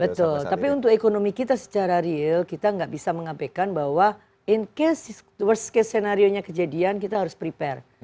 betul tapi untuk ekonomi kita secara real kita nggak bisa mengabekan bahwa in case worst case scenario nya kejadian kita harus prepare